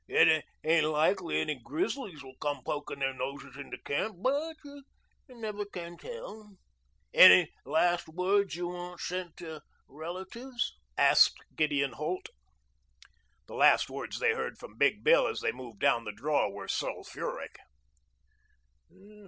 "It ain't likely any grizzlies will come pokin' their noses into camp. But you never can tell. Any last words you want sent to relatives?" asked Gideon Holt. The last words they heard from Big Bill as they moved down the draw were sulphuric.